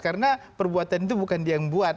karena perbuatan itu bukan dia yang buat